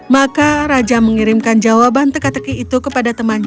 maka raja mengirimkan jawaban teka teki itu kepada temannya